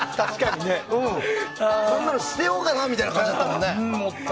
何なら捨てようかなみたいな感じだったよね。